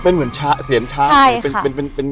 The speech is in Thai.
เป็นเหมือนชะเสียงชะใช่ค่ะเป็นเป็นเป็นเป็นเป็นเป็นเป็น